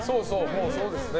もう、そうですね。